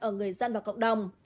ở người dân và cộng đồng